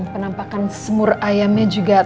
penampakan semur ayamnya juga